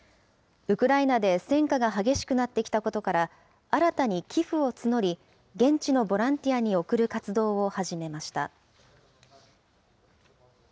ウクライナで戦禍が激しくなってきたことから新たに寄付を募り、現地のボランティアに送る活動を始めました。